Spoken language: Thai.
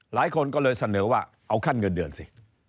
หลายคนก็เลยเสนอว่าเอาขั้นเงินเดือนสิ